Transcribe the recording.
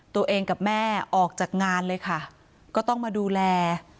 ตัวเองกับแม่ออกจากงานเลยค่ะก็ต้องมาดูแล